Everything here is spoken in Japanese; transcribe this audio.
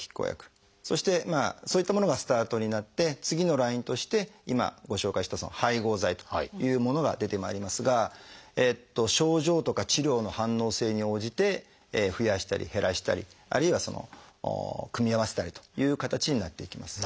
そしてそういったものがスタートになって次のラインとして今ご紹介した配合剤というものが出てまいりますが症状とか治療の反応性に応じて増やしたり減らしたりあるいは組み合わせたりという形になっていきます。